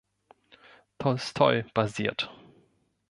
Tolstoi basiert.